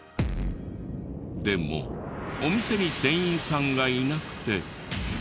でもお店に店員さんがいなくて。